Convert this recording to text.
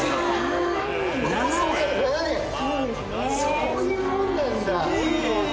そういうもんなんだ。